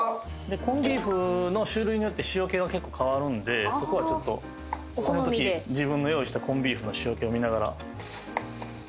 コンビーフの種類によって塩気が結構変わるんでそこはちょっとそのとき自分の用意したコンビーフの塩気を見ながら。